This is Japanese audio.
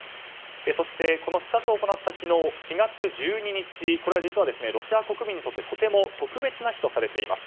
そして、この視察を行った昨日４月１２日これは実はロシア国民にとってとても特別な日とされています。